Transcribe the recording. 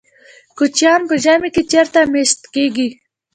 کوچیان په ژمي کې چیرته میشت کیږي؟